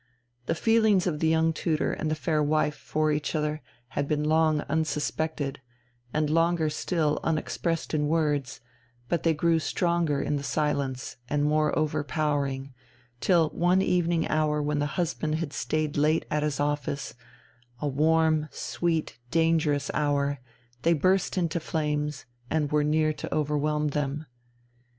The feelings of the young tutor and the fair wife for each other had been long unsuspected, and longer still unexpressed in words; but they grew stronger in the silence, and more overpowering, till one evening hour when the husband had stayed late at his office, a warm, sweet, dangerous hour, they burst into flames and were near to overwhelm them.